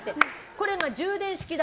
これが充電式だ。